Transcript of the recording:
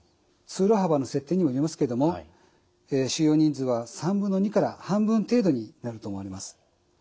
通路幅の設定にもよりますけども収容人数は2/3から半分程度になると思います。